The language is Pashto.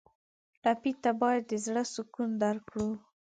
ټپي ته باید د زړه سکون درکړو.